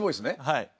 はい。